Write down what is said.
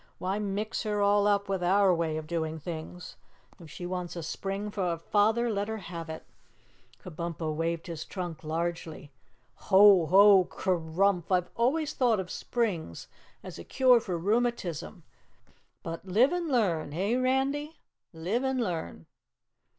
"Why mix her all up with our way of doing things? If she wants a spring for a father, let her have it!" Kabumpo waved his trunk largely. "Ho, ho, kerumph! I've always thought of springs as a cure for rheumatism, but live and learn eh, Randy live and learn."